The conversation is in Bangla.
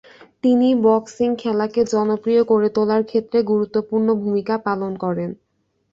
তিনি বক্সিং খেলাকে জনপ্রিয় করে তোলার ক্ষেত্রে গুরুত্বপূর্ণ ভূমিকা পালন করেন।